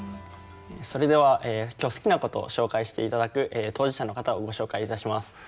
それでは今日好きなことを紹介して頂く当事者の方をご紹介いたします。